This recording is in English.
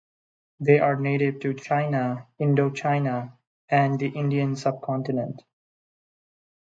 They are native to China, Indochina, and the Indian Subcontinent.